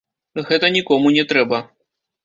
Гэта нікому не трэба.